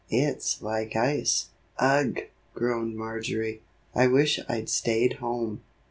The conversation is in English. It's like ice." "Ugh!" groaned Marjory, "I wish I'd stayed home."